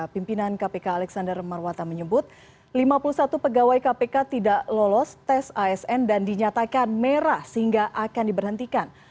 pimpinan kpk alexander marwata menyebut lima puluh satu pegawai kpk tidak lolos tes asn dan dinyatakan merah sehingga akan diberhentikan